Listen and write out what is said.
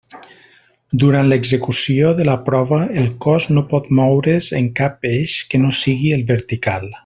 Durant l'execució de la prova, el cos no pot moure's en cap eix que no sigui el vertical.